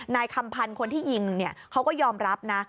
นายคำพันธ์คนที่ยิงเขาก็ยอมรับนะ